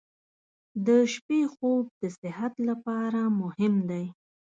• د شپې خوب د صحت لپاره مهم دی.